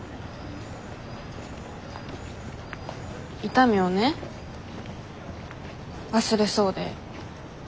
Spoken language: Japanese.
痛みをね忘れそうで。